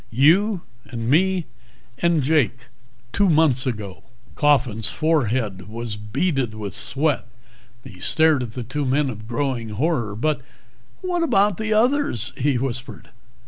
You, and me and Jake. Two months ago." Coffin's forehead was beaded with sweat. He stared at the two men in growing horror. "But what about the others?" he whispered.